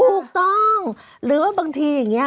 ถูกต้องหรือว่าบางทีอย่างนี้